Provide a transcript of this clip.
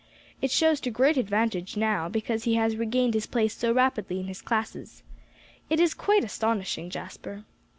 It shows to great advantage now, because he has regained his place so rapidly in his classes. It is quite astonishing, Jasper."